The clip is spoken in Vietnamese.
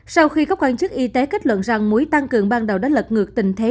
sau khi các quan chức y tế kết luận rằng muối tăng cường ban đầu đã lật ngược tình thế